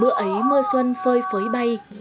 bữa ấy mưa xuân phơi phới bay